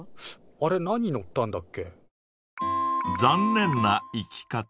あれ何乗ったんだっけ？